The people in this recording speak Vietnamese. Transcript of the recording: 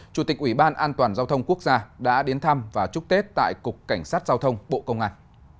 chủ tịch ủy ban an toàn giao thông quốc gia đã đến thăm và chúc tết tại cục cảnh sát giao thông bộ công an